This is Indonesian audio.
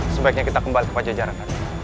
sebaiknya kita kembali ke pajajaran